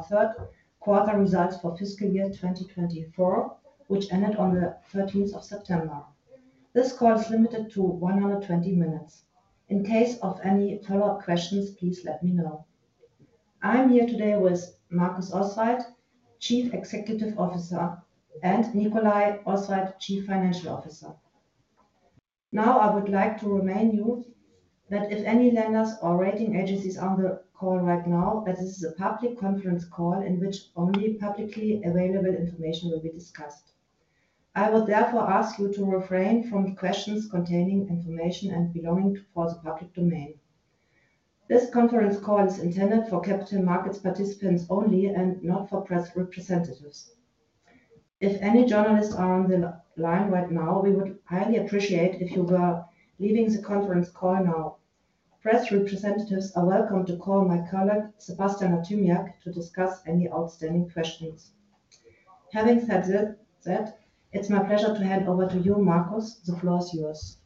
On the third quarter results for fiscal year 2024, which ended on the 13th of September. This call is limited to 120 minutes. In case of any follow-up questions, please let me know. I'm here today with Markus Oswald, Chief Executive Officer, and Nicolai Oswald, Chief Financial Officer. Now, I would like to remind you that if any lenders or rating agencies are on the call right now, that this is a public conference call in which only publicly available information will be discussed. I would therefore ask you to refrain from questions containing information belonging to the public domain. This conference call is intended for capital markets participants only and not for press representatives. If any journalists are on the line right now, we would highly appreciate it if you were leaving the conference call now. Press representatives are welcome to call my colleague, Sebastian Artymiak, to discuss any outstanding questions. Having said that, it's my pleasure to hand over to you, Markus. The floor is yours.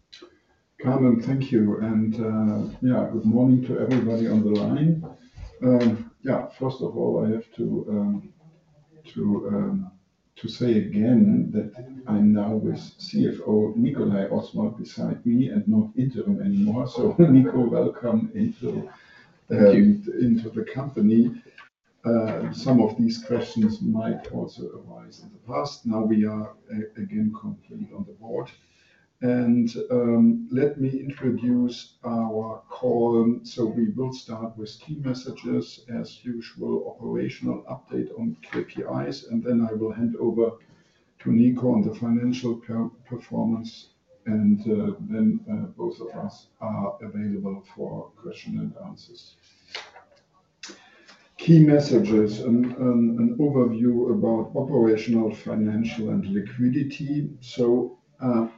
Carmen, thank you. And yeah, good morning to everybody on the line. Yeah, first of all, I have to say again that I'm now with CFO Nicolai Oswald beside me and not interim anymore. So Nico, welcome into the company. Some of these questions might also arise in the past. Now we are again complete on the board. And let me introduce our call. So we will start with key messages, as usual, operational update on KPIs, and then I will hand over to Nico on the financial performance, and then both of us are available for questions and answers. Key messages and an overview about operational, financial, and liquidity. So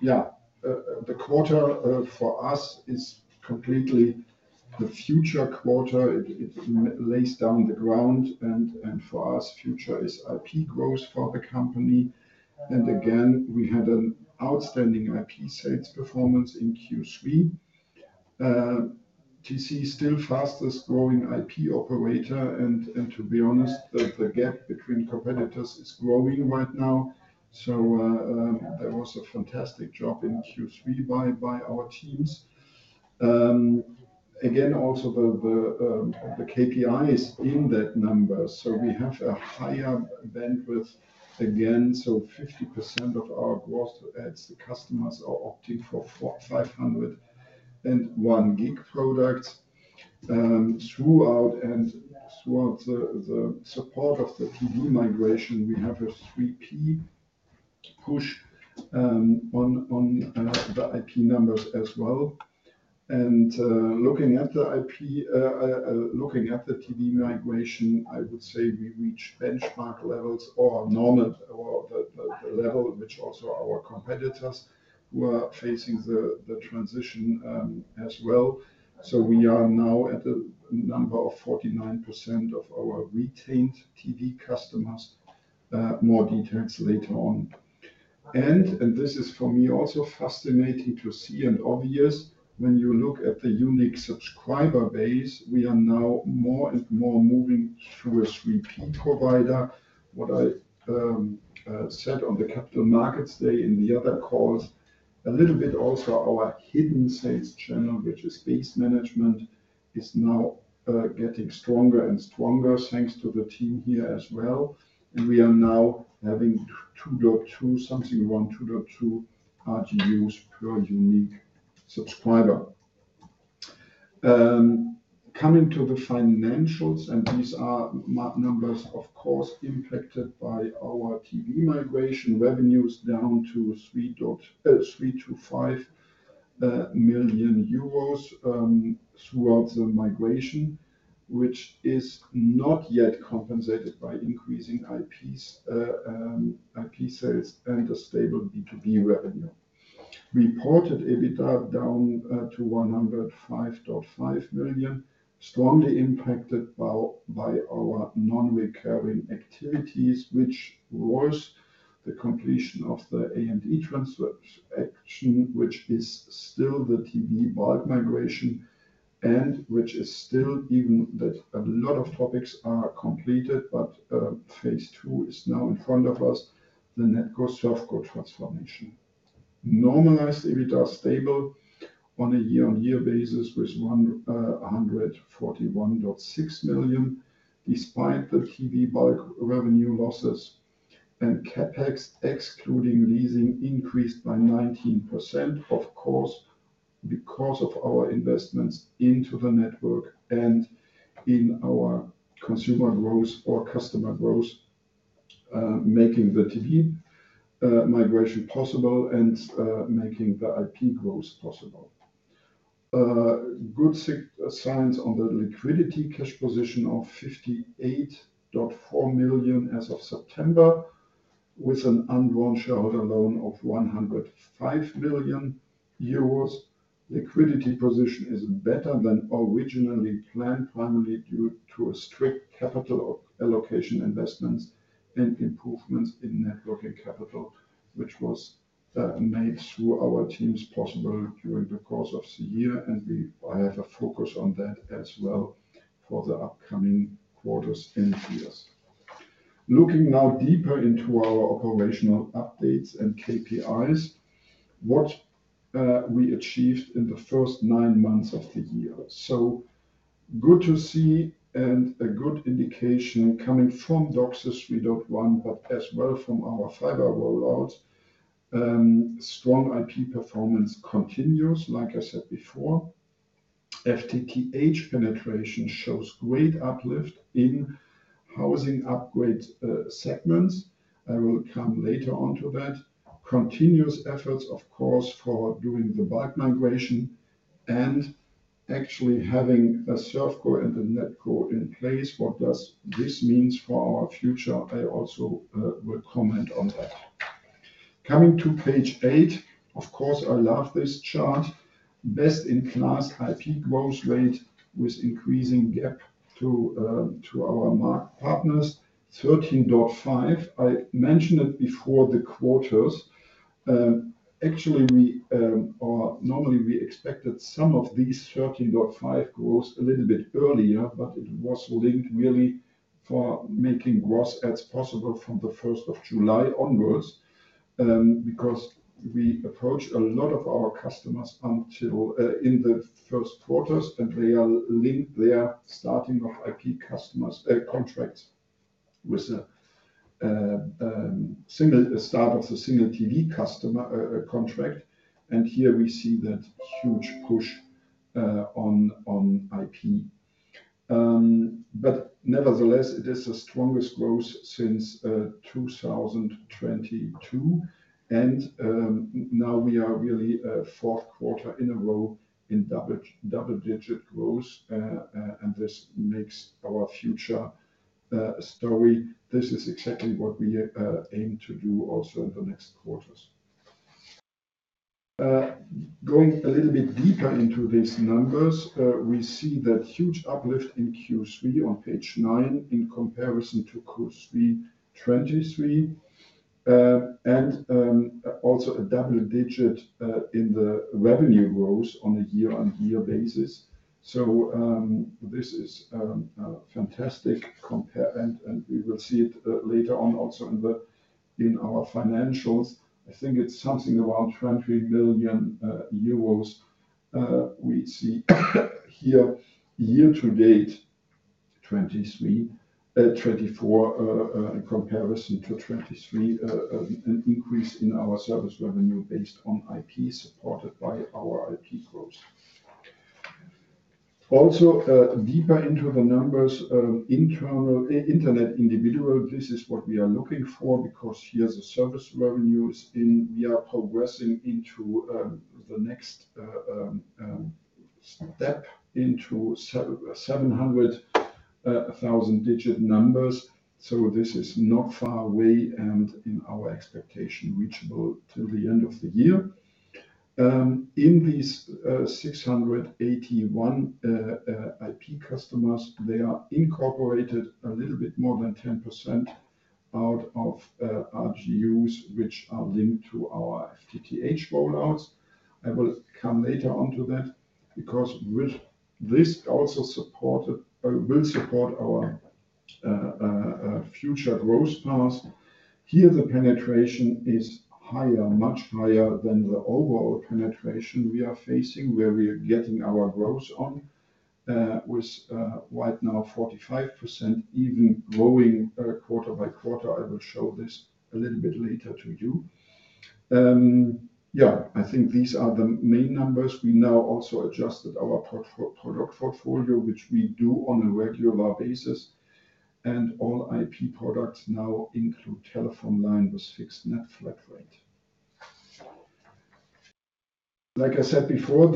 yeah, the quarter for us is completely the future quarter. It lays down the ground. And for us, future is IP growth for the company. And again, we had an outstanding IP sales performance in Q3. TC is still the fastest growing IP operator. And to be honest, the gap between competitors is growing right now. So there was a fantastic job in Q3 by our teams. Again, also the KPIs in that number. So we have a higher bandwidth again. So 50% of our growth, the customers are opting for 500, 1 Gig products throughout. And throughout the support of the TD migration, we have a 3P push on the IP numbers as well. And looking at the IP, looking at the TD migration, I would say we reach benchmark levels or the level which also our competitors were facing the transition as well. So we are now at a number of 49% of our retained TD customers. More details later on. This is for me also fascinating to see and obvious when you look at the unique subscriber base. We are now more and more moving through a 3P provider. What I said on the Capital Markets Day in the other calls, a little bit also our hidden sales channel, which is base management, is now getting stronger and stronger thanks to the team here as well. We are now having 2.2, something around 2.2 RGUs per unique subscriber. Coming to the financials, these are numbers, of course, impacted by our TV migration. Revenues down to 3.5 million euros throughout the migration, which is not yet compensated by increasing IP sales and the stable B2B revenue. Reported EBITDA down to 105.5 million EUR, strongly impacted by our non-recurring activities, which was the completion of the AMD transfer action, which is still the TC bulk migration and which is still even that a lot of topics are completed, but phase two is now in front of us, the NetCo software transformation. Normalized EBITDA stable on a year-on-year basis with 141.6 million EUR, despite the TC bulk revenue losses and CapEx excluding leasing increased by 19%, of course, because of our investments into the network and in our consumer growth or customer growth, making the TC migration possible and making the IP growth possible. Good signs on the liquidity cash position of 58.4 million EUR as of September, with an undrawn shareholder loan of 105 million euros. Liquidity position is better than originally planned, primarily due to strict capital allocation investments and improvements in net working capital, which was made through our teams possible during the course of the year, and I have a focus on that as well for the upcoming quarters and years. Looking now deeper into our operational updates and KPIs, what we achieved in the first nine months of the year, so good to see and a good indication coming from DOCSIS 3.1, but as well from our fiber rollouts. Strong IP performance continues, like I said before. FTTH penetration shows great uplift in housing upgrade segments. I will come later on to that. Continuous efforts, of course, for doing the bulk migration and actually having a ServCo and a NetCo in place. What does this mean for our future? I also will comment on that. Coming to page eight, of course, I love this chart. Best in class IP growth rate with increasing gap to our market partners, 13.5%. I mentioned it before this quarter. Actually, normally we expected some of this 13.5% growth a little bit earlier, but it was linked really to making gross adds possible from the 1st of July onwards because we approached a lot of our customers in the first quarter, and they are linked to the starting of IP contracts with a single start of the single TV customer contract, and here we see that huge push on IP, but nevertheless, it is the strongest growth since 2022, and now we are really fourth quarter in a row in double-digit growth, and this makes our future story. This is exactly what we aim to do also in the next quarters. Going a little bit deeper into these numbers, we see that huge uplift in Q3 on page nine in comparison to Q3 2023 and also a double-digit in the revenue growth on a year-on-year basis. So this is fantastic compare, and we will see it later on also in our financials. I think it's something around 20 million euros we see here year to date 2024 in comparison to 2023, an increase in our service revenue based on IP supported by our IP growth. Also deeper into the numbers, internet individual, this is what we are looking for because here the service revenue is in, we are progressing into the next step into 700,000 digit numbers. So this is not far away and in our expectation reachable till the end of the year. In these 681 IP customers, they are incorporated a little bit more than 10% out of RGUs, which are linked to our FTTH rollouts. I will come later on to that because this also will support our future growth paths. Here, the penetration is higher, much higher than the overall penetration we are facing, where we are getting our growth on with right now 45% even growing quarter by quarter. I will show this a little bit later to you. Yeah, I think these are the main numbers. We now also adjusted our product portfolio, which we do on a regular basis, and all IP products now include telephone line with Fixed Net Flat Rate. Like I said before,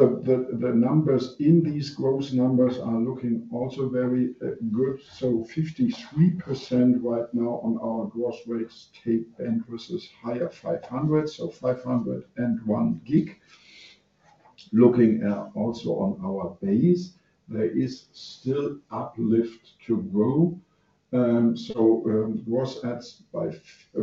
the numbers in these growth numbers are looking also very good, so 53% right now on our gross adds at the end versus higher 500, so 501 Gig. Looking also on our base, there is still uplift to grow, so gross adds by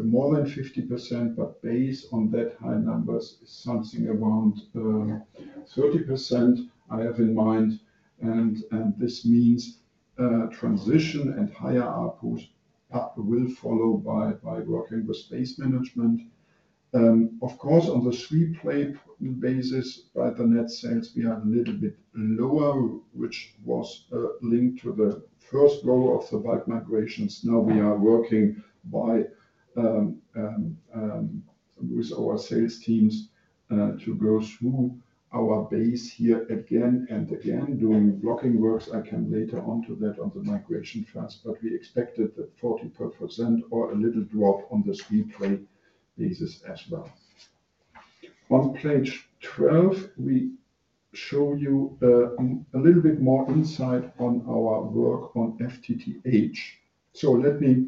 more than 50%, but based on that high numbers is something around 30% I have in mind, and this means transition and higher output will follow by working with sales management. Of course, on the three-play basis, right, the net adds we have a little bit lower, which was linked to the first goal of the bulk migrations. Now we are working with our sales teams to go through our base here again and again doing blocking works. I can later on to that on the migration first, but we expected that 45% or a little drop on the three-play basis as well. On page 12, we show you a little bit more insight on our work on FTTH, so let me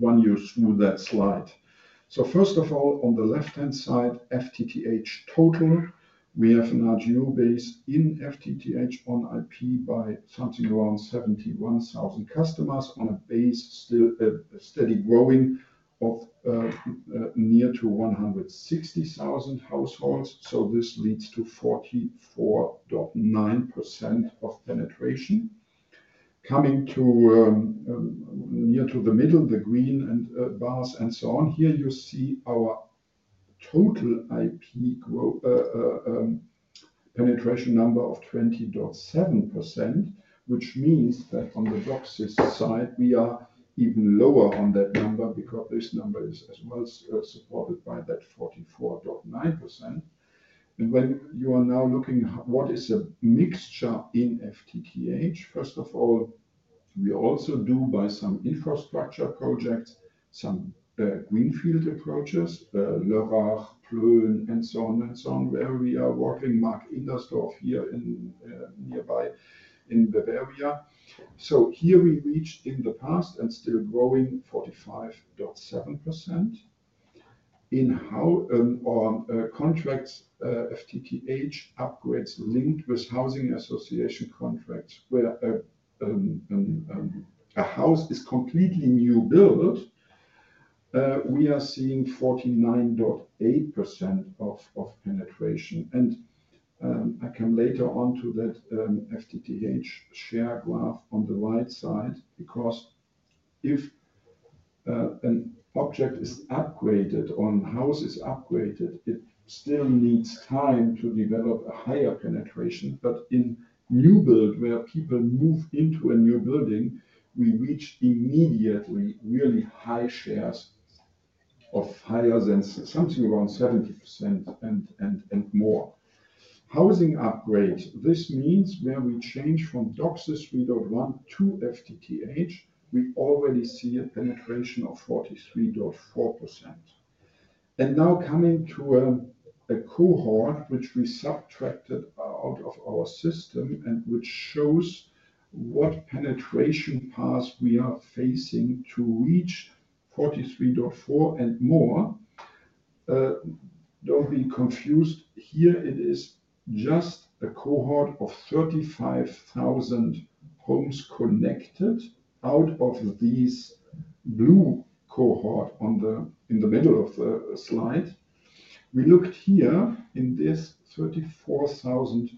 run you through that slide. So first of all, on the left-hand side, FTTH total, we have an RGU base in FTTH on IP by something around 71,000 customers on a base still steady growing of near to 160,000 households. So this leads to 44.9% of penetration. Coming to near to the middle, the green and bars and so on, here you see our total IP penetration number of 20.7%, which means that on the DOCSIS side, we are even lower on that number because this number is as well supported by that 44.9%. And when you are now looking at what is a mixture in FTTH, first of all, we also do by some infrastructure projects, some greenfield approaches, Le RAR, PLONE, and so on and so on, where we are working Markt Indersdorf here nearby in Bavaria. So here we reached in the past and still growing 45.7% in our contracts FTTH upgrades linked with housing association contracts where a house is completely new build. We are seeing penetration of 49.8%. And I come later on to that FTTH share graph on the right side because if an object is upgraded, a house is upgraded, it still needs time to develop a higher penetration. But in new build, where people move into a new building, we reach immediately really high shares of higher than something around 70% and more. Housing upgrades, this means where we change from DOCSIS 3.1 to FTTH, we already see a penetration of 43.4%. And now coming to a cohort, which we subtracted out of our system and which shows what penetration paths we are facing to reach 43.4% and more. Don't be confused. Here it is just a cohort of 35,000 homes connected out of these blue cohorts in the middle of the slide. We looked here in this 34,000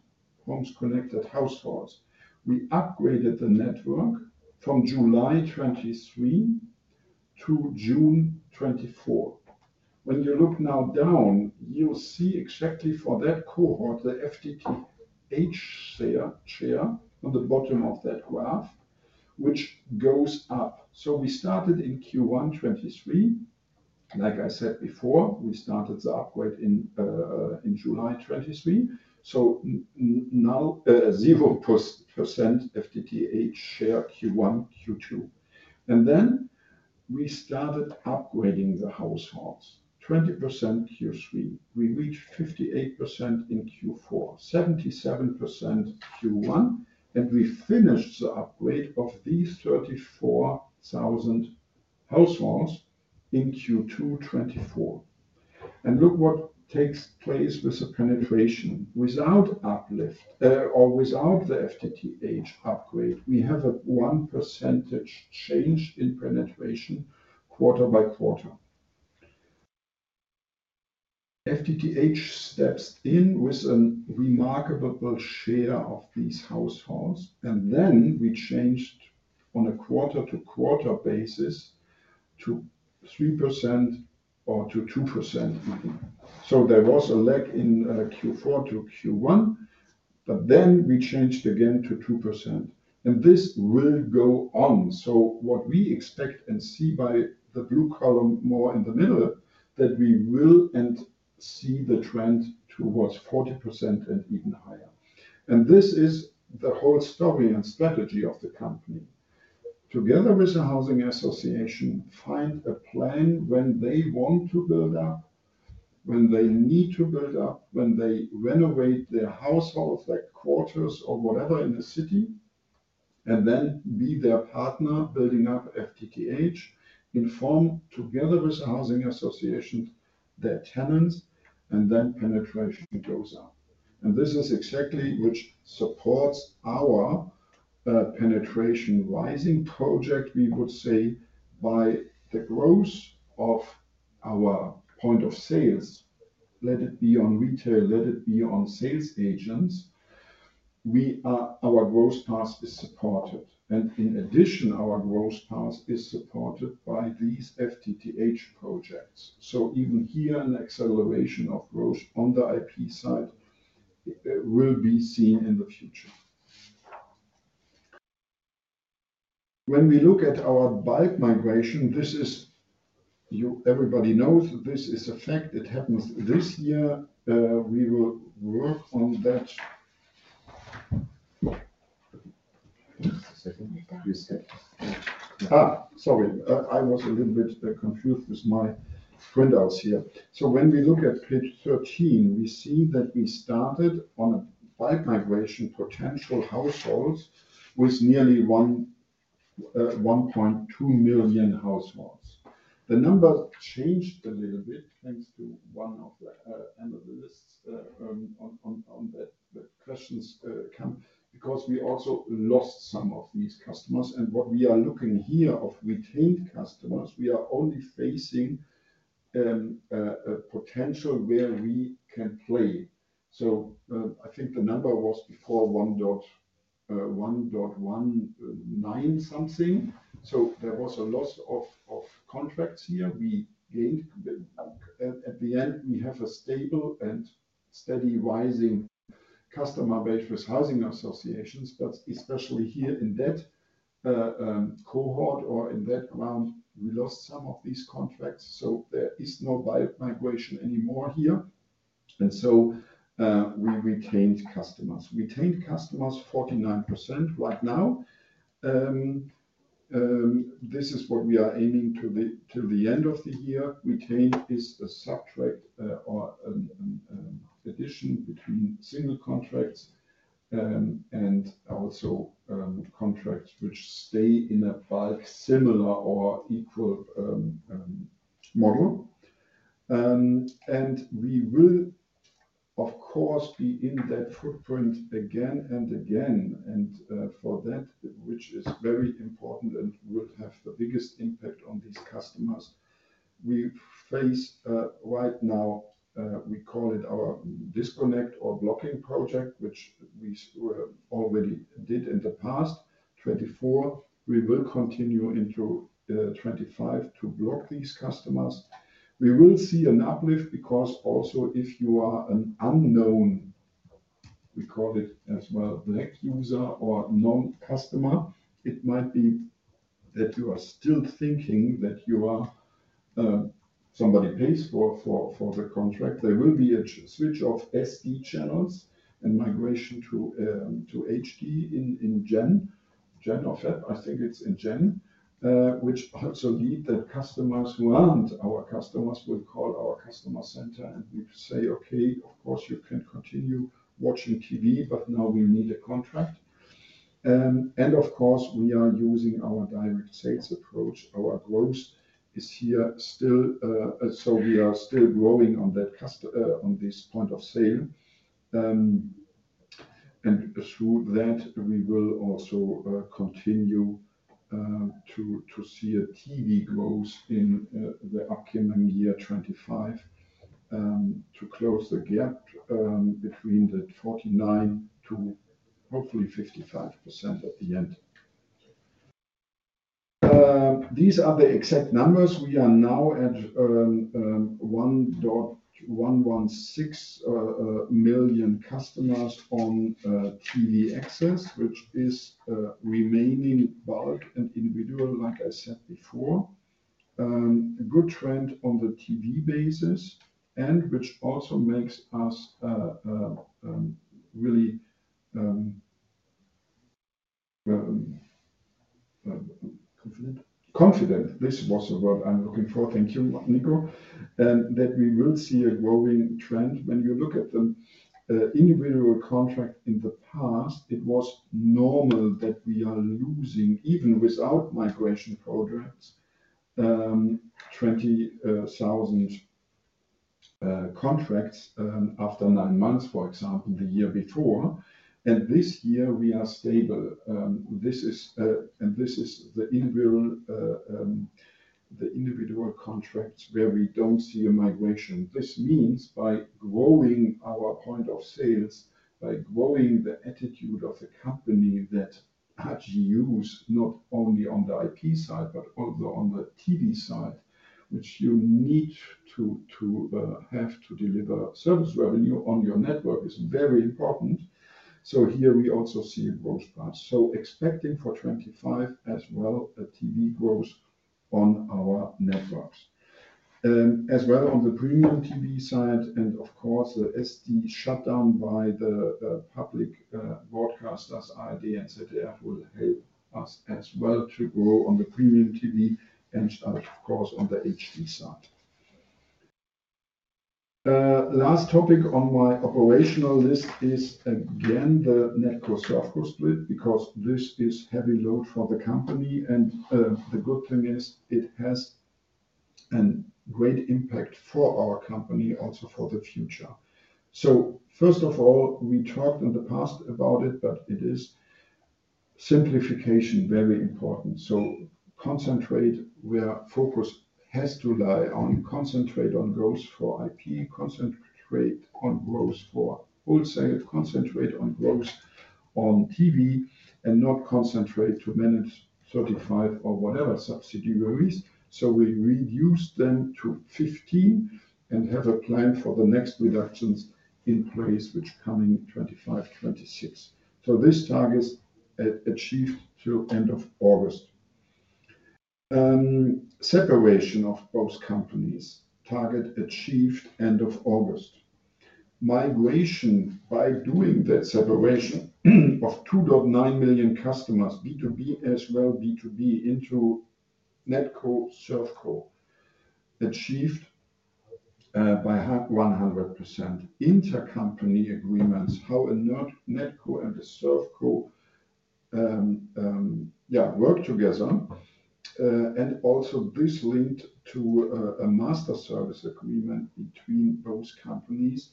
homes connected households. We upgraded the network from July 2023 to June 2024. When you look now down, you'll see exactly for that cohort, the FTTH share on the bottom of that graph, which goes up so we started in Q1 2023. Like I said before, we started the upgrade in July 2023 so now 0% FTTH share Q1 2023, Q2 2023 and then we started upgrading the households, 20% Q3 2023. We reached 58% in Q4 2023, 77% Q1 2024, and we finished the upgrade of these 34,000 households in Q2 2024 and look what takes place with the penetration without uplift or without the FTTH upgrade. We have a 1% change in penetration quarter by quarter. FTTH steps in with a remarkable share of these households, and then we changed on a quarter-to-quarter basis to 3% or to 2%, so there was a lag in Q4 to Q1, but then we changed again to 2%, and this will go on, so what we expect and see by the blue column more in the middle that we will see the trend towards 40% and even higher, and this is the whole story and strategy of the company. Together with the housing association, find a plan when they want to build up, when they need to build up, when they renovate their households, like quarters or whatever in the city, and then be their partner building up FTTH, inform together with the housing associations, their tenants, and then penetration goes up. And this is exactly what supports our penetration rising project, we would say, by the growth of our points of sale, let it be on retail, let it be on sales agents. Our growth path is supported. And in addition, our growth path is supported by these FTTH projects. So even here, an acceleration of growth on the IP side will be seen in the future. When we look at our Bulk Migration, this, everybody knows, is a fact. It happens this year. We will work on that. Sorry, I was a little bit confused with my printouts here. So when we look at page 13, we see that we started on a Bulk Migration potential households with nearly 1.2 million households. The number changed a little bit thanks to one of the analysts on that question, because we also lost some of these customers. What we are looking at here for retained customers, we are only facing a potential where we can play. I think the number was before 1.19 something. There was a loss of contracts here. At the end, we have a stable and steady rising customer base with housing associations, but especially here in that cohort or in that group, we lost some of these contracts. There is no bulk migration anymore here. We retained customers. Retained customers, 49% right now. This is what we are aiming for the end of the year. Retained is a subtract or an addition between single contracts and also contracts which stay in a bulk similar or equal model. We will, of course, be in that footprint again and again. For that, which is very important and will have the biggest impact on these customers we face right now, we call it our Disconnect Project, which we already did in the past, 2024. We will continue into 2025 to block these customers. We will see an uplift because also if you are an unknown, we call it as well black user or non-customer, it might be that you are still thinking that you are somebody pays for the contract. There will be a switch of SD channels and migration to HD in Gen, Gen or FEP, I think it's in Gen, which also lead that customers who aren't our customers will call our customer center and we say, "Okay, of course, you can continue watching TV, but now we need a contract." And of course, we are using our direct sales approach. Our growth is here still, so we are still growing on this point of sale, and through that, we will also continue to see a TV growth in the upcoming year 2025 to close the gap between the 49% to hopefully 55% at the end. These are the exact numbers. We are now at 1.116 million customers on TV access, which is remaining bulk and individual, like I said before. Good trend on the TV basis, and which also makes us really confident. Confident. This was the word I'm looking for. Thank you, Nico, and that we will see a growing trend when you look at the individual contract. In the past, it was normal that we are losing, even without migration projects, 20,000 contracts after nine months, for example, the year before, and this year, we are stable. And this is the individual contracts where we don't see a migration. This means by growing our point of sales, by growing the attitude of the company that HGUs not only on the IP side, but also on the TV side, which you need to have to deliver service revenue on your network is very important. So here we also see a growth path. So expecting for 2025 as well a TV growth on our networks. As well on the premium TV side, and of course, the SD shutdown by the public broadcasters, ID and ZDF will help us as well to grow on the premium TV and of course on the HD side. Last topic on my operational list is again the NetCo/ServCo because this is heavy load for the company. And the good thing is it has a great impact for our company, also for the future. So first of all, we talked in the past about it, but it is simplification very important. So concentrate where focus has to lie on concentrate on growth for IP, concentrate on growth for wholesale, concentrate on growth on TV, and not concentrate to manage 35 or whatever subsidiaries. So we reduce them to 15 and have a plan for the next reductions in place, which coming 2025, 2026. So this target's achieved till end of August. Separation of both companies target achieved end of August. Migration by doing that separation of 2.9 million customers B2B as well as B2C into NetCo, ServCo achieved by 100%. Intercompany agreements, how NetCo and ServCo work together. And also this linked to a master service agreement between both companies,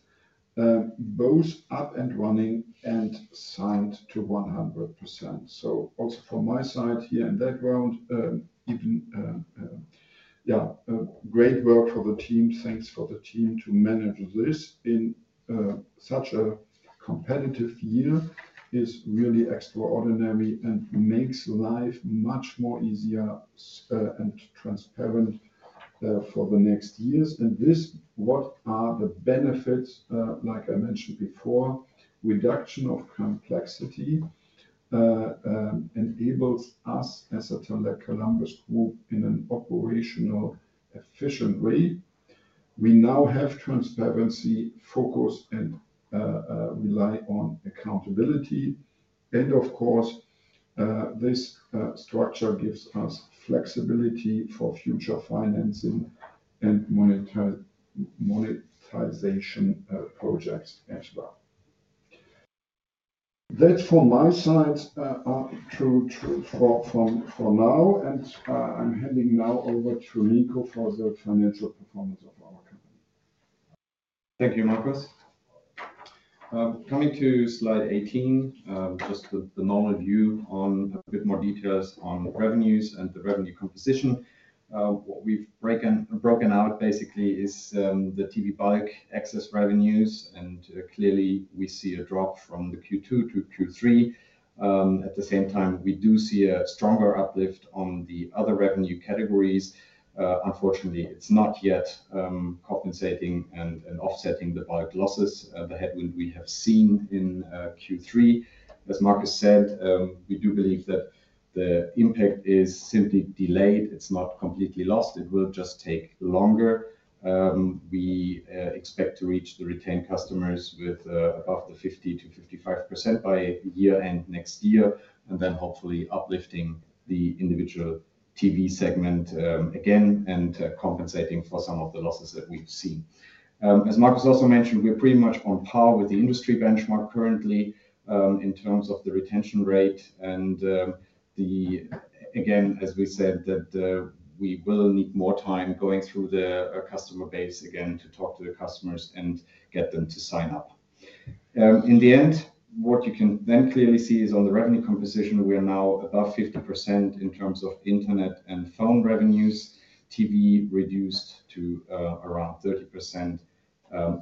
both up and running and signed to 100%. So also from my side here in that round, yeah, great work for the team. Thanks for the team to manage this in such a competitive year is really extraordinary and makes life much more easier and transparent for the next years. And this, what are the benefits, like I mentioned before, reduction of complexity enables us as a Tele Columbus Group in an operational efficient way. We now have transparency, focus, and rely on accountability. And of course, this structure gives us flexibility for future financing and monetization projects as well. That's from my side for now. And I'm handing now over to Nico for the financial performance of our company. Thank you, Markus. Coming to slide 18, just the normal view on a bit more details on revenues and the revenue composition. What we've broken out basically is the TV bulk access revenues. Clearly, we see a drop from the Q2 to Q3. At the same time, we do see a stronger uplift on the other revenue categories. Unfortunately, it's not yet compensating and offsetting the bulk losses, the headwind we have seen in Q3. As Markus said, we do believe that the impact is simply delayed. It's not completely lost. It will just take longer. We expect to reach the retained customers with above the 50%-55% by year-end next year, and then hopefully uplifting the individual TV segment again and compensating for some of the losses that we've seen. As Markus also mentioned, we're pretty much on par with the industry benchmark currently in terms of the retention rate. Again, as we said, that we will need more time going through the customer base again to talk to the customers and get them to sign up. In the end, what you can then clearly see is on the revenue composition, we are now above 50% in terms of internet and phone revenues, TV reduced to around 30%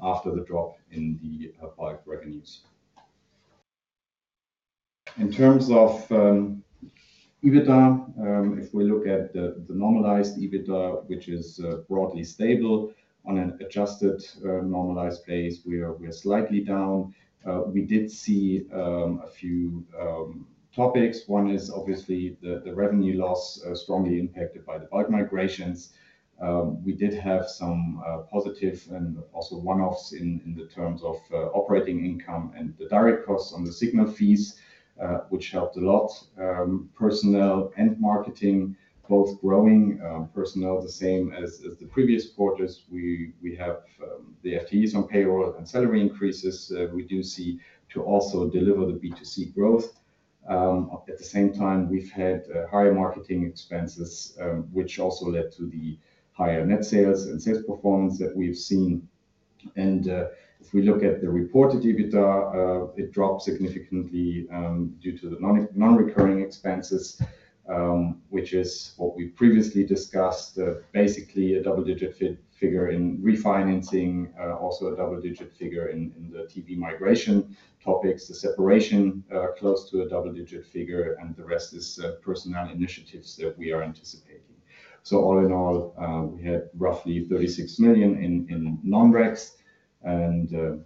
after the drop in the bulk revenues. In terms of EBITDA, if we look at the normalized EBITDA, which is broadly stable on an adjusted normalized base, we are slightly down. We did see a few topics. One is obviously the revenue loss strongly impacted by the bulk migrations. We did have some positive and also one-offs in terms of operating income and the direct costs on the signal fees, which helped a lot. Personnel and marketing, both growing. Personnel, the same as the previous quarters. We have the FTEs on payroll and salary increases. We do seek to also deliver the B2C growth. At the same time, we've had higher marketing expenses, which also led to the higher net sales and sales performance that we've seen. And if we look at the reported EBITDA, it dropped significantly due to the non-recurring expenses, which is what we previously discussed, basically a double-digit figure in refinancing, also a double-digit figure in the TV migration topics, the separation close to a double-digit figure, and the rest is personnel initiatives that we are anticipating. So all in all, we had roughly 36 million EUR in non-recs, and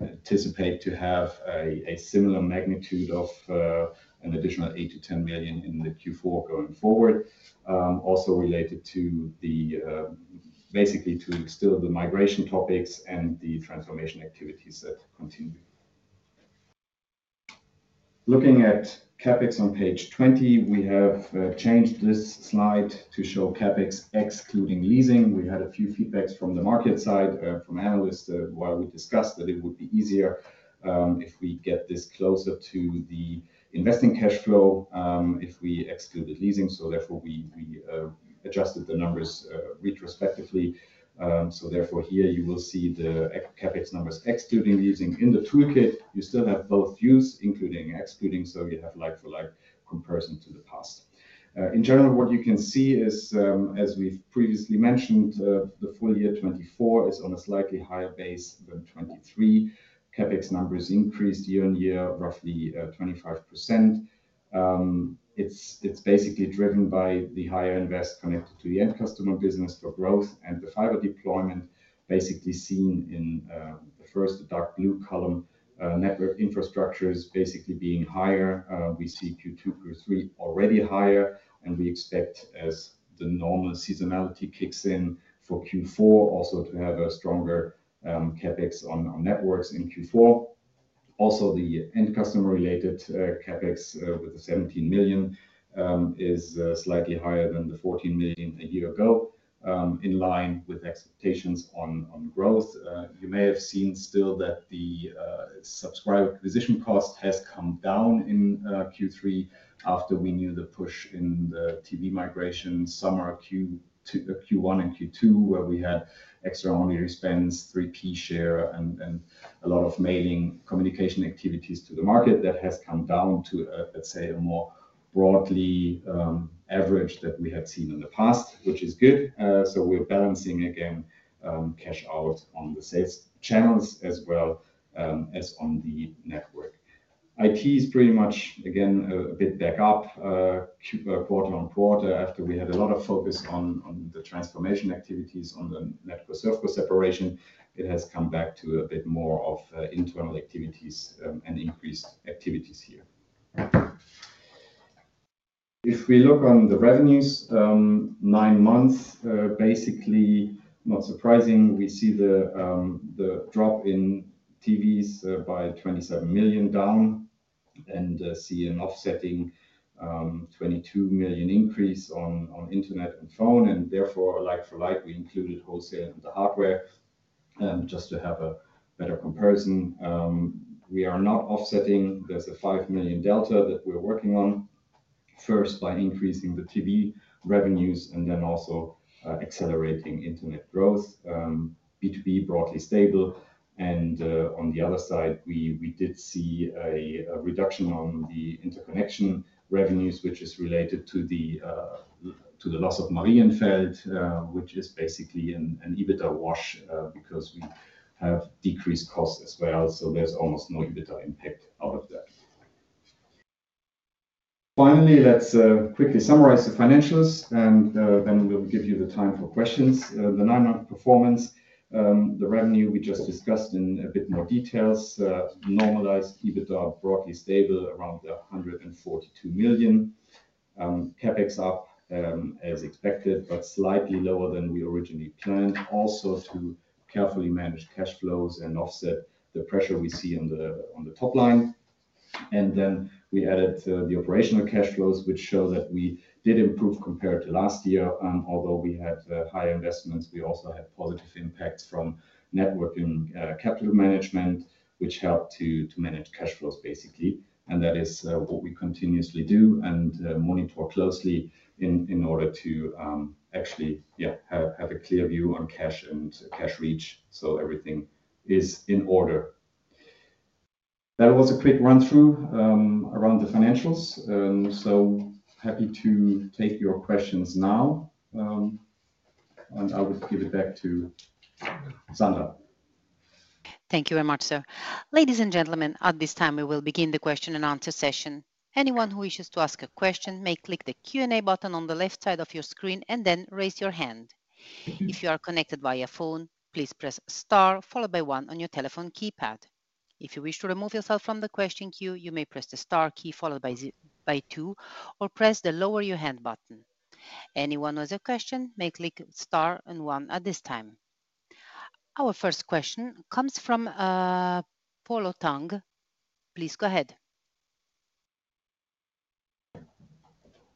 anticipate to have a similar magnitude of an additional 8-10 million EUR in the Q4 going forward, also related to basically to still the migration topics and the transformation activities that continue. Looking at CapEx on page 20, we have changed this slide to show CapEx excluding leasing. We had a few feedbacks from the market side, from analysts, while we discussed that it would be easier if we get this closer to the investing cash flow if we excluded leasing. So therefore, we adjusted the numbers retrospectively. So therefore, here you will see the CapEx numbers excluding leasing. In the toolkit, you still have both views, including excluding, so you have like-for-like comparison to the past. In general, what you can see is, as we've previously mentioned, the full year 2024 is on a slightly higher base than 2023. CapEx numbers increased year-on-year roughly 25%. It's basically driven by the higher invest connected to the end customer business for growth and the fiber deployment, basically seen in the first dark blue column, network infrastructures basically being higher. We see Q2, Q3 already higher, and we expect as the normal seasonality kicks in for Q4 also to have a stronger CapEx on networks in Q4. Also, the end customer-related CapEx with the 17 million EUR is slightly higher than the 14 million EUR a year ago, in line with expectations on growth. You may have seen still that the subscriber acquisition cost has come down in Q3 after we knew the push in the TV migration, summer Q1 and Q2, where we had extraordinary spends, 3P share, and a lot of mailing communication activities to the market. That has come down to, let's say, a more broadly average that we had seen in the past, which is good. So we're balancing again cash out on the sales channels as well as on the network. It is pretty much, again, a bit back up quarter on quarter after we had a lot of focus on the transformation activities on the network separation. It has come back to a bit more of internal activities and increased activities here. If we look on the revenues, nine months, basically not surprising, we see the drop in TVs by 27 million down and see an offsetting 22 million increase on internet and phone. And therefore, like-for-like, we included wholesale and the hardware just to have a better comparison. We are not offsetting. There's a 5 million delta that we're working on first by increasing the TV revenues and then also accelerating internet growth. B2B broadly stable. And on the other side, we did see a reduction on the interconnection revenues, which is related to the loss of Marienfeld, which is basically an EBITDA wash because we have decreased costs as well. So there's almost no EBITDA impact out of that. Finally, let's quickly summarize the financials, and then we'll give you the time for questions. The nine-month performance, the revenue we just discussed in a bit more details, normalized EBITDA broadly stable around 142 million. CapEx up as expected, but slightly lower than we originally planned, also to carefully manage cash flows and offset the pressure we see on the top line. And then we added the operational cash flows, which show that we did improve compared to last year. Although we had higher investments, we also had positive impacts from net working capital management, which helped to manage cash flows basically. And that is what we continuously do and monitor closely in order to actually have a clear view on cash and cash reach. So everything is in order. That was a quick run-through around the financials. So happy to take your questions now. And I would give it back to Sandra. Thank you very much, sir. Ladies and gentlemen, at this time, we will begin the question and answer session. Anyone who wishes to ask a question may click the Q&A button on the left side of your screen and then raise your hand. If you are connected via phone, please press star followed by one on your telephone keypad. If you wish to remove yourself from the question queue, you may press the star key followed by two or press the lower your hand button. Anyone with a question may click star and one at this time. Our first question comes from Polo Tang. Please go ahead.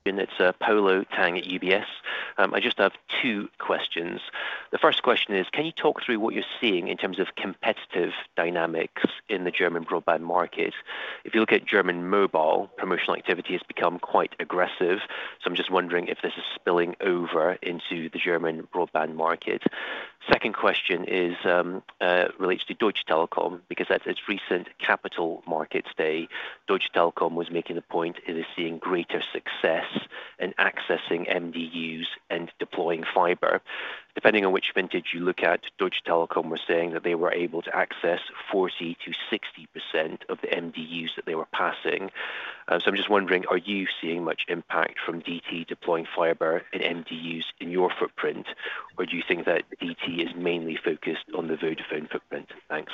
It's Polo Tang at UBS. I just have two questions. The first question is, can you talk through what you're seeing in terms of competitive dynamics in the German broadband market? If you look at German mobile, promotional activity has become quite aggressive. So I'm just wondering if this is spilling over into the German broadband market. Second question relates to Deutsche Telekom because at its recent capital markets day, Deutsche Telekom was making the point it is seeing greater success in accessing MDUs and deploying fiber. Depending on which vintage you look at, Deutsche Telekom was saying that they were able to access 40%-60% of the MDUs that they were passing. So I'm just wondering, are you seeing much impact from DT deploying fiber and MDUs in your footprint, or do you think that DT is mainly focused on the Vodafone footprint? Thanks.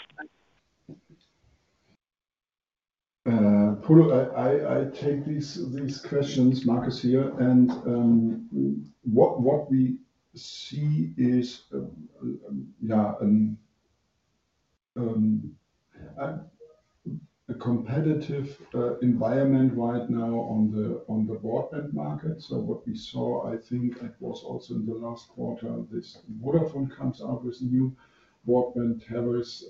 Polo, I take these questions, Markus here. And what we see is a competitive environment right now on the broadband market. So what we saw, I think, was also in the last quarter, this Vodafone comes out with new broadband towers.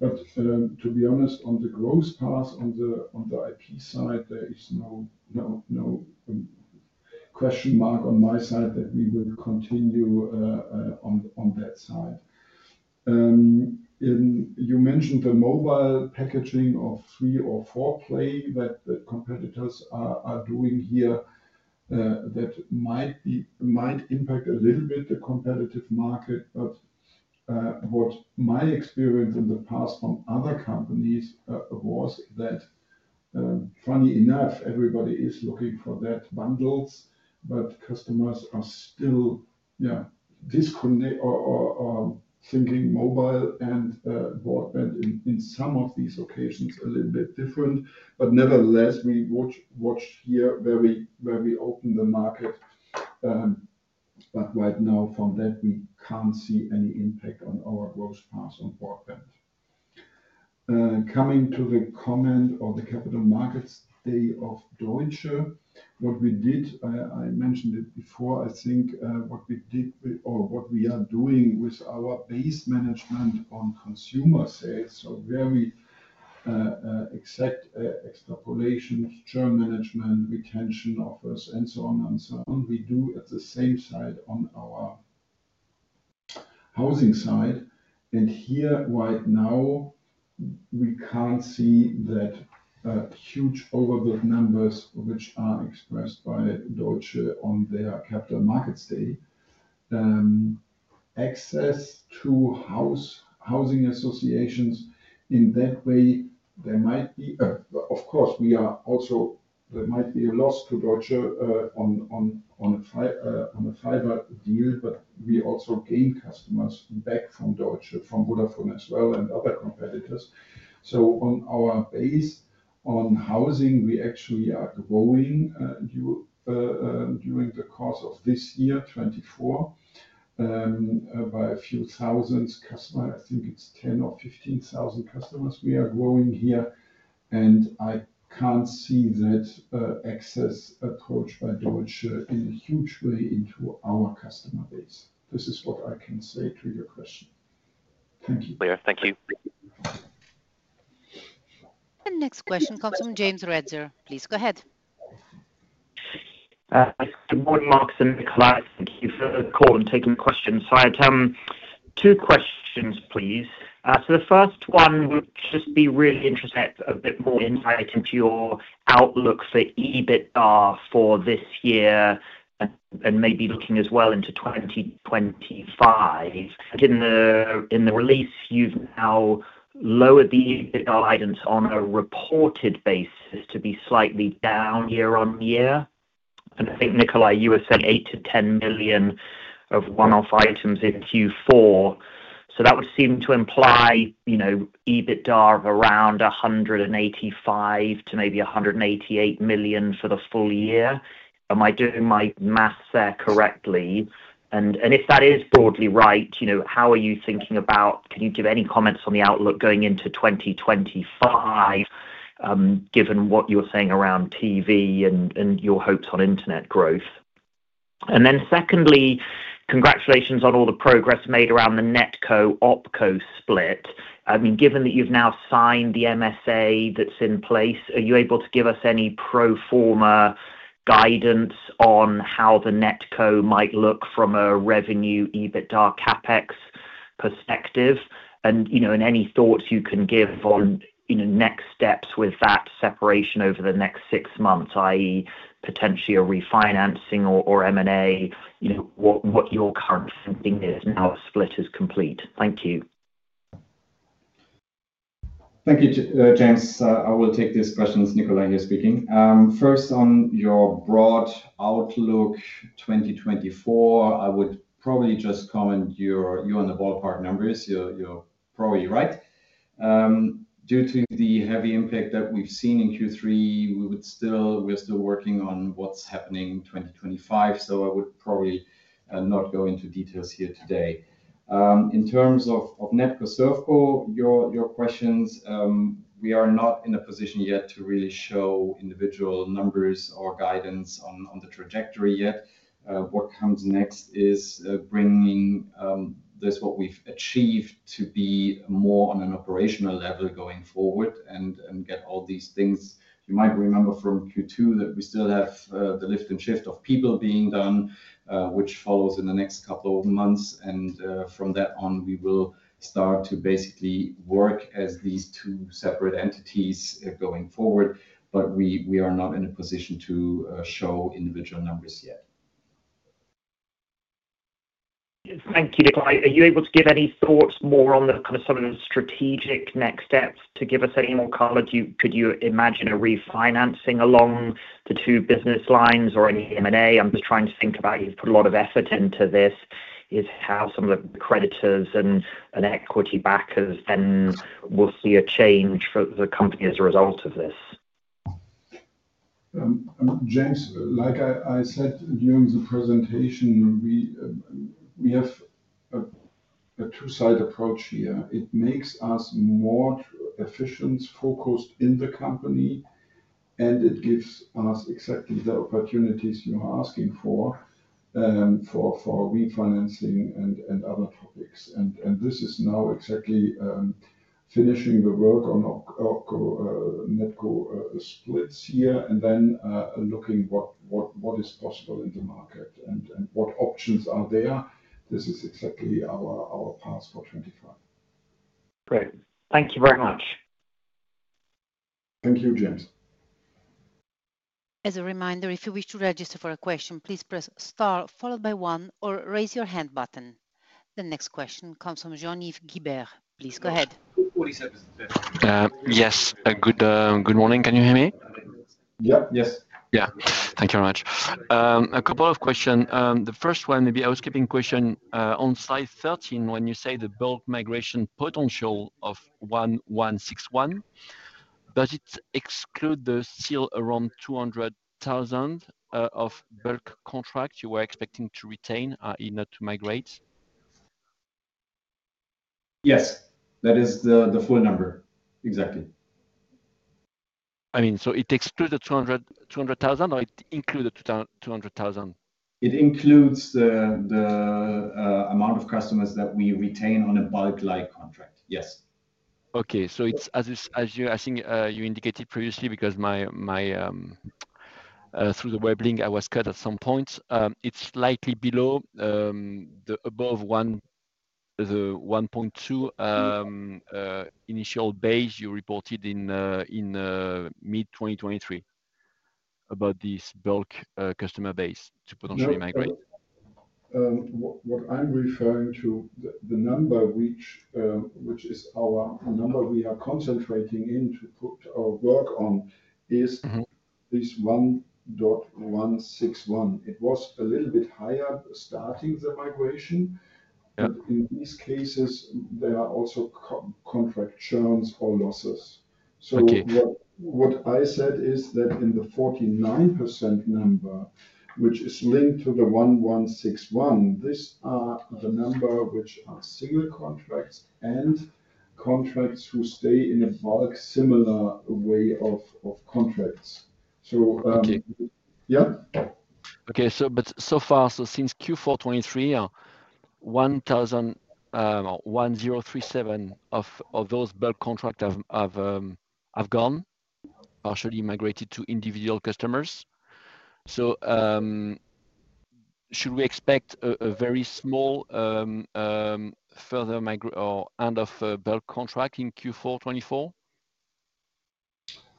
But to be honest, on the growth path on the IP side, there is no question mark on my side that we will continue on that side. You mentioned the mobile packaging of three or four play that competitors are doing here that might impact a little bit the competitive market. But what my experience in the past from other companies was that, funny enough, everybody is looking for those bundles, but customers are still thinking mobile and broadband in some of these occasions a little bit different. But nevertheless, we watched here where we opened the market. But right now, from that, we can't see any impact on our growth path on broadband. Coming to the comment on the capital markets day of Deutsche, what we did, I mentioned it before. I think what we did or what we are doing with our base management on consumer sales, so very exact extrapolations, churn management, retention offers, and so on and so on, we do at the same side on our housing side, and here, right now, we can't see that huge outlier numbers, which are expressed by Deutsche on their capital markets day. Access to housing associations in that way, there might be a loss to Deutsche on a fiber deal, but we also gain customers back from Deutsche, from Vodafone as well, and other competitors. So on our base on housing, we actually are growing during the course of this year, 2024, by a few thousand customers. I think it's 10 or 15,000 customers we are growing here. I can't see that access approach by Deutsche in a huge way into our customer base. This is what I can say to your question. Thank you. Thank you. The next question comes from James Ratzer. Please go ahead. Good morning, Markus and Nico. Thank you for the call and taking questions. Two questions, please. The first one would just be really interested to get a bit more insight into your outlook for EBITDA for this year and maybe looking as well into 2025. In the release, you've now lowered the EBITDA guidance on a reported basis to be slightly down year on year. I think, Nicolai, you were saying 8-10 million EUR of one-off items in Q4. That would seem to imply EBITDA of around 185-188 million EUR for the full year. Am I doing my math there correctly? If that is broadly right, how are you thinking about, can you give any comments on the outlook going into 2025, given what you were saying around TV and your hopes on internet growth? Then secondly, congratulations on all the progress made around the NetCo-OpCo split. I mean, given that you've now signed the MSA that's in place, are you able to give us any pro forma guidance on how the NetCo might look from a revenue EBITDA CapEx perspective? And any thoughts you can give on next steps with that separation over the next six months, i.e., potentially a refinancing or M&A, what your current thinking is now a split is complete? Thank you. Thank you, James. I will take these questions. Nicolai here speaking. First, on your broad outlook 2024, I would probably just comment you're on the ballpark numbers. You're probably right. Due to the heavy impact that we've seen in Q3, we're still working on what's happening in 2025. So I would probably not go into details here today. In terms of NetCo/ServCo, your questions, we are not in a position yet to really show individual numbers or guidance on the trajectory yet. What comes next is bringing this what we've achieved to be more on an operational level going forward and get all these things. You might remember from Q2 that we still have the lift and shift of people being done, which follows in the next couple of months. And from that on, we will start to basically work as these two separate entities going forward. But we are not in a position to show individual numbers yet. Thank you, Nicolai. Are you able to give any thoughts more on kind of some of the strategic next steps to give us any more color? Could you imagine a refinancing along the two business lines or any M&A? I'm just trying to think about you've put a lot of effort into this. Is how some of the creditors and equity backers then will see a change for the company as a result of this? James, like I said during the presentation, we have a two-sided approach here. It makes us more efficient, focused in the company, and it gives us exactly the opportunities you are asking for for refinancing and other topics. And this is now exactly finishing the work on NetCo split here and then looking at what is possible in the market and what options are there. This is exactly our path for 2025. Great. Thank you very much. Thank you, James. As a reminder, if you wish to register for a question, please press star followed by one or raise your hand button. The next question comes from Jean-Yves Guibert. Please go ahead. Yes. Good morning. Can you hear me? Yep. Yes. Yeah. Thank you very much. A couple of questions. The first one, maybe I was keeping a question on slide 13 when you say the bulk migration potential of 1,161. Does it exclude the still around 200,000 of bulk contracts you were expecting to retain, i.e., not to migrate? Yes. That is the full number. Exactly. I mean, so it excludes the 200,000 or it includes the 200,000? It includes the amount of customers that we retain on a bulk-like contract. Yes. Okay. So as you think you indicated previously, because through the web link, I was cut at some points, it's slightly below the above 1.2 initial base you reported in mid-2023 about this bulk customer base to potentially migrate? What I'm referring to, the number, which is our number we are concentrating in to put our work on, is this 1.161. It was a little bit higher starting the migration. But in these cases, there are also contract churns or losses. So what I said is that in the 49% number, which is linked to the 1161, these are the number which are single contracts and contracts who stay in a bulk similar way of contracts. So yeah. Okay. But so far, so since Q4 2023, 1000 or 1037 of those bulk contracts have gone, partially migrated to individual customers. So should we expect a very small further end of bulk contract in Q4 2024?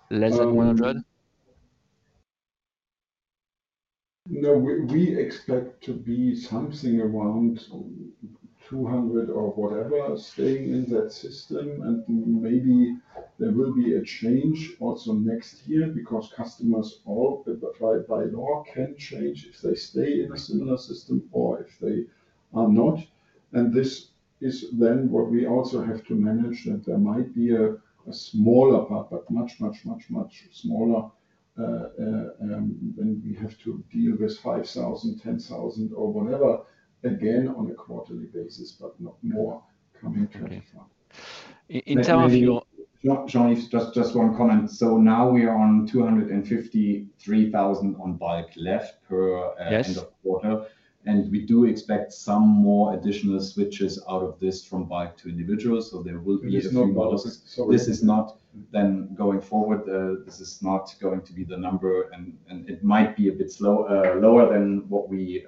Less than 100? No. We expect to be something around 200 or whatever staying in that system. And maybe there will be a change also next year because customers by law can change if they stay in a similar system or if they are not. This is then what we also have to manage, that there might be a smaller part, but much, much, much, much smaller when we have to deal with 5,000, 10,000, or whatever, again, on a quarterly basis, but not more coming 24. In terms of your. Jean, just one comment. So now we are on 253,000 on bulk left per end of quarter. And we do expect some more additional switches out of this from bulk to individual. So there will be a few. This is not then going forward. This is not going to be the number. And it might be a bit lower than what we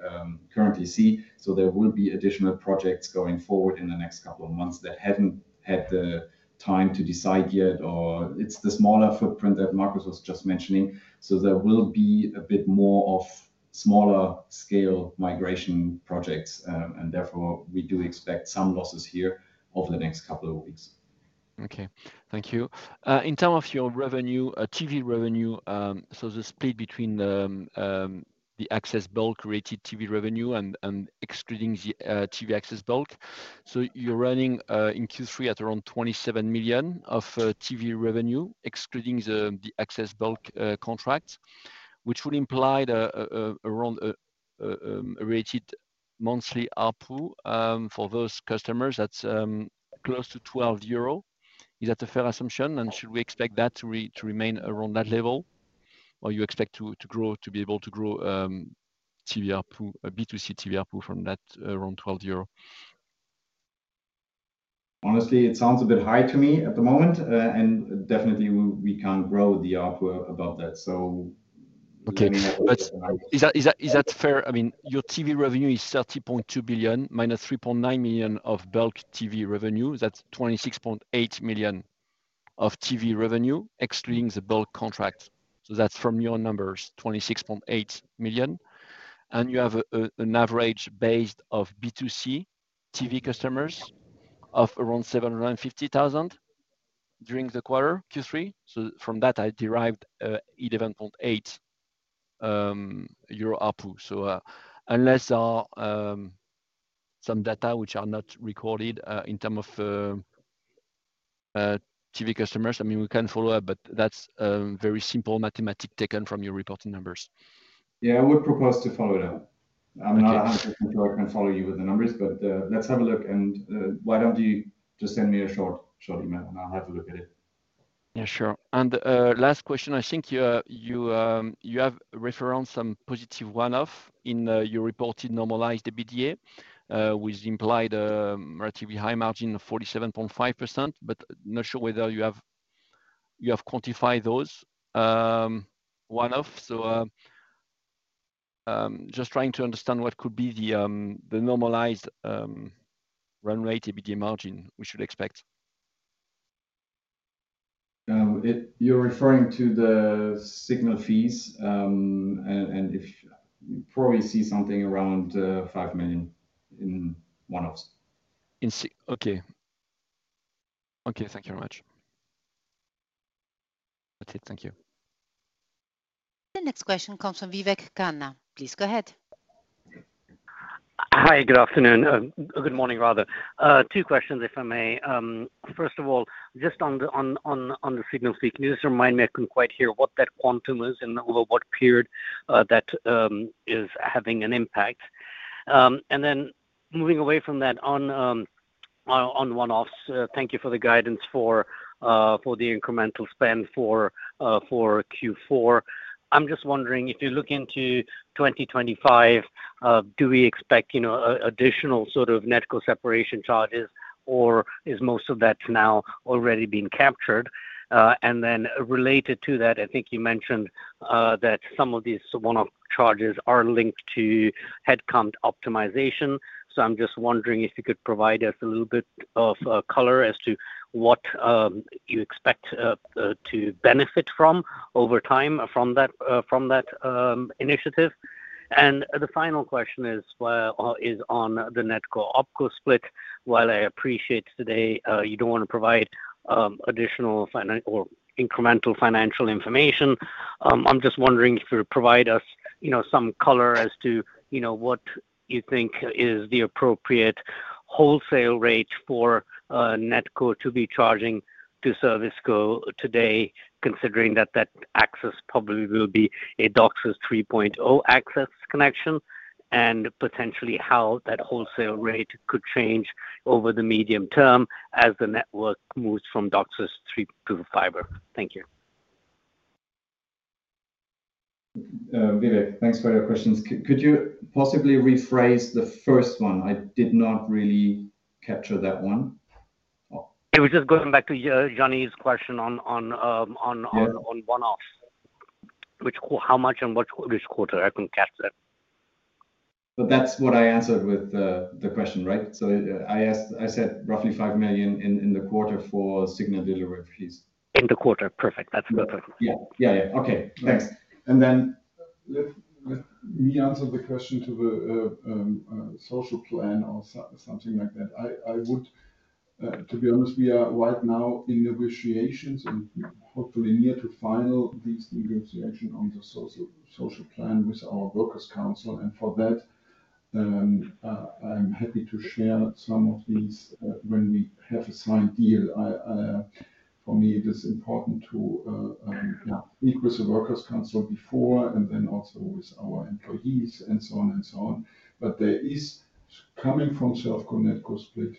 currently see. So there will be additional projects going forward in the next couple of months that haven't had the time to decide yet. Or it's the smaller footprint that Markus was just mentioning. So there will be a bit more of smaller scale migration projects. And therefore, we do expect some losses here over the next couple of weeks. Okay. Thank you. In terms of your revenue, TV revenue, so the split between the access bulk rated TV revenue and excluding the TV access bulk. So you're running in Q3 at around 27 million of TV revenue, excluding the access bulk contracts, which would imply around a rated monthly output for those customers that's close to 12 euro. Is that a fair assumption? And should we expect that to remain around that level? Or you expect to be able to grow B2C TV output from that around 12 euro? Honestly, it sounds a bit high to me at the moment. And definitely, we can't grow the output above that. So is that fair? I mean, your TV revenue is 30.2 million minus 3.9 million of bulk TV revenue. That's 26.8 million of TV revenue, excluding the bulk contract. So that's from your numbers, 26.8 million. And you have an average base of B2C TV customers of around 750,000 during the quarter, Q3. So from that, I derived 11.8 euro output. So unless there are some data which are not recorded in terms of TV customers, I mean, we can follow up, but that's a very simple mathematics taken from your reporting numbers. Yeah. I would propose to follow it up. I'm not 100% sure I can follow you with the numbers, but let's have a look. And why don't you just send me a short email, and I'll have a look at it? Yeah. Sure. Last question, I think you have referenced some positive one-off in your reported normalized EBITDA, which implied a relatively high margin of 47.5%, but not sure whether you have quantified those one-offs. So just trying to understand what could be the normalized run rate EBITDA margin we should expect. You're referring to the signal fees, and you probably see something around 5 million in one-offs. Okay. Okay. Thank you very much. That's it. Thank you. The next question comes from Vivek Khanna. Please go ahead. Hi. Good afternoon. Good morning, rather. Two questions, if I may. First of all, just on the signal fees, just remind me I couldn't quite hear what that quantum is and over what period that is having an impact. And then moving away from that on one-offs, thank you for the guidance for the incremental spend for Q4. I'm just wondering, if you look into 2025, do we expect additional sort of NetCo separation charges, or is most of that now already being captured? And then related to that, I think you mentioned that some of these one-off charges are linked to headcount optimization. So I'm just wondering if you could provide us a little bit of color as to what you expect to benefit from over time from that initiative. And the final question is on the NetCo-OpCo split. While I appreciate today you don't want to provide additional or incremental financial information, I'm just wondering if you would provide us some color as to what you think is the appropriate wholesale rate for NetCo to be charging to ServCo today, considering that that access probably will be a DOCSIS 3.0 access connection and potentially how that wholesale rate could change over the medium term as the network moves from DOCSIS 3 to fiber. Thank you. Vivek, thanks for your questions. Could you possibly rephrase the first one? I did not really capture that one. It was just going back to Johnny's question on one-offs, which how much and which quarter. I couldn't catch that. But that's what I answered with the question, right? So I said roughly 5 million in the quarter for signal delivery, please. In the quarter. Perfect. That's perfect. Yeah. Yeah. Yeah. Okay. Thanks. And then Let me answer the question to the social plan or something like that. To be honest, we are right now in negotiations and hopefully near to finalize these negotiations on the social plan with our workers' council. And for that, I'm happy to share some of these when we have a signed deal. For me, it is important to meet with the workers' council before and then also with our employees and so on and so on. But there is coming from ServCo NetCo split,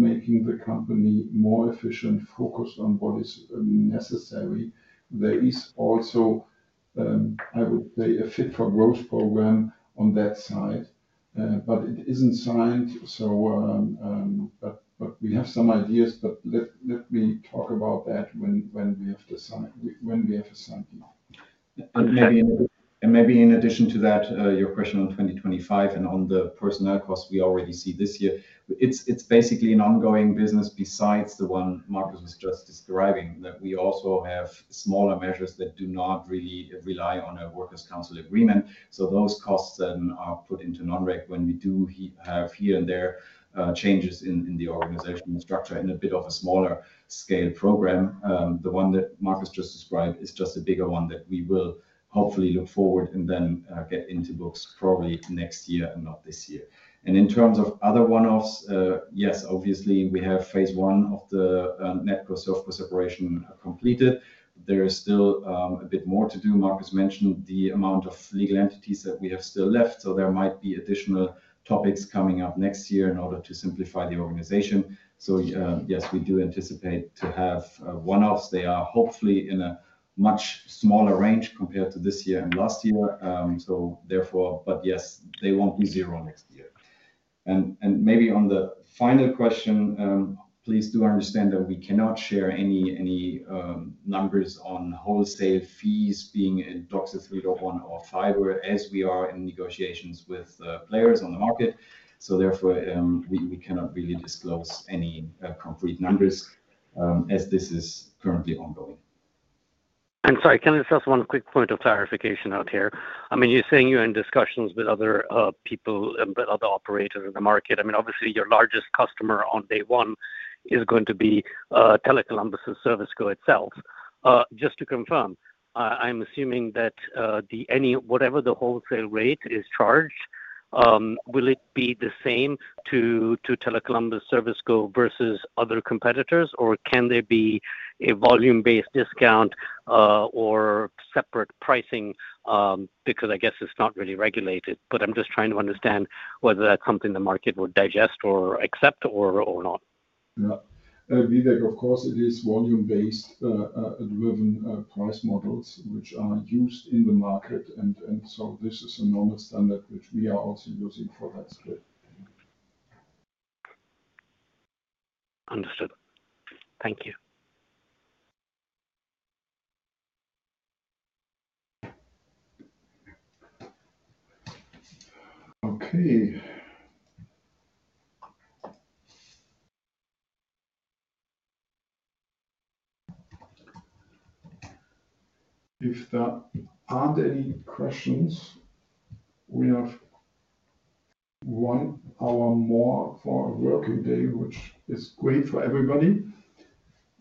making the company more efficient, focused on what is necessary. There is also, I would say, a fit-for-growth program on that side, but it isn't signed. But we have some ideas, but let me talk about that when we have the signed deal. And maybe in addition to that, your question on 2025 and on the personnel costs we already see this year, it's basically an ongoing business besides the one Markus was just describing that we also have smaller measures that do not really rely on a workers' council agreement. So those costs then are put into non-reg when we do have here and there changes in the organizational structure in a bit of a smaller scale program. The one that Markus just described is just a bigger one that we will hopefully look forward and then get into books probably next year and not this year. And in terms of other one-offs, yes, obviously, we have phase one of the NetCo-ServCo separation completed. There is still a bit more to do. Markus mentioned the amount of legal entities that we have still left. So there might be additional topics coming up next year in order to simplify the organization. So yes, we do anticipate to have one-offs. They are hopefully in a much smaller range compared to this year and last year. So therefore, but yes, they won't be zero next year. And maybe on the final question, please do understand that we cannot share any numbers on wholesale fees being in DOCSIS 3.1 or fiber as we are in negotiations with players on the market. So therefore, we cannot really disclose any concrete numbers as this is currently ongoing. And sorry, can I just ask one quick point of clarification out here? I mean, you're saying you're in discussions with other people, but other operators in the market. I mean, obviously, your largest customer on day one is going to be Tele Columbus and ServCo itself. Just to confirm, I'm assuming that whatever the wholesale rate is charged, will it be the same to Tele Columbus ServCo versus other competitors, or can there be a volume-based discount or separate pricing because I guess it's not really regulated? But I'm just trying to understand whether that's something the market would digest or accept or not. Yeah. Vivek, of course, it is volume-based driven price models which are used in the market. And so this is a normal standard which we are also using for that split. Understood. Thank you. Okay. If there aren't any questions, we have one hour more for a working day, which is great for everybody.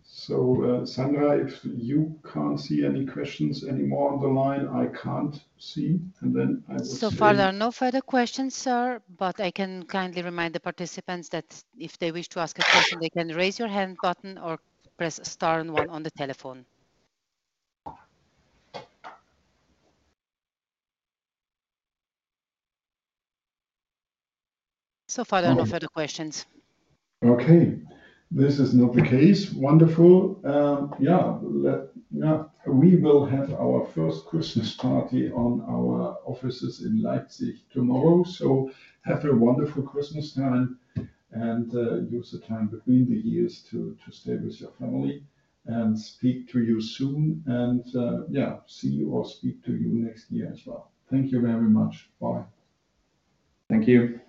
So Sandra, if you can't see any questions anymore on the line, I can't see. And then I will. So far, there are no further questions, sir. But I can kindly remind the participants that if they wish to ask a question, they can raise your hand button or press star and one on the telephone. So far, there are no further questions. Okay. This is not the case. Wonderful. Yeah. We will have our first Christmas party on our offices in Leipzig tomorrow. So have a wonderful Christmas time and use the time between the years to stay with your family and speak to you soon. And yeah, see you or speak to you next year as well. Thank you very much. Bye. Thank you.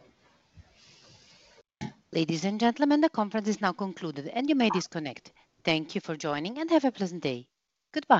Ladies and gentlemen, the conference is now concluded, and you may disconnect. Thank you for joining, and have a pleasant day. Goodbye.